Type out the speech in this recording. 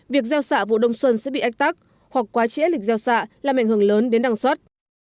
việc giao xạ vụ đông xuân sẽ bị ách tắc hoặc quá trễ lịch giao xạ làm ảnh hưởng lớn đến đăng xuất